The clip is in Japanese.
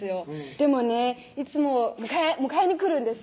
でもねいつも迎えにくるんです